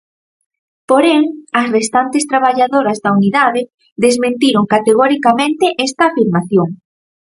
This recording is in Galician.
Porén, as restantes traballadoras da unidade desmentiron categoricamente esta afirmación.